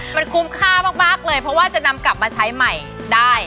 มันคุ้มค่ามากเลยเพราะว่าจะนำกลับมาใช้ใหม่ได้